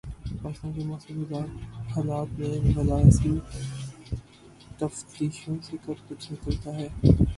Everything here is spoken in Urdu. پاکستان کے مخصوص حالات میں بھلا ایسی تفتیشوں سے کب کچھ نکلتا ہے؟